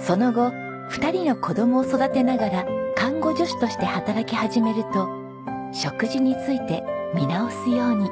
その後２人の子供を育てながら看護助手として働き始めると食事について見直すように。